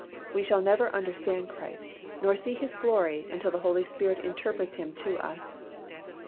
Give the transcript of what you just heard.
We shall never understand Christ, nor see His glory until the Holy Spirit interprets Him to us.